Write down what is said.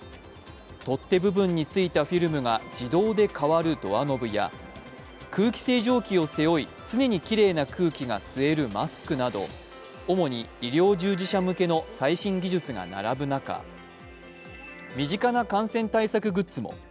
取っ手部分についたフィルムが自動で変わるドアノブや、空気清浄機を背負い常にきれいな空気が吸えるマスクなど主に医療従事者向けの最新技術が並ぶ中、身近な感染対策グッズも。